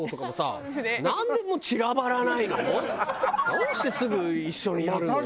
どうしてすぐ一緒にやるの？